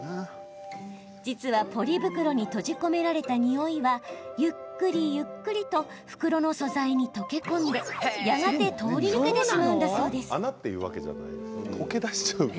実はポリ袋に閉じ込められたにおいはゆっくりゆっくりと袋の素材に溶け込んでやがて通り抜けてしまうんだそう。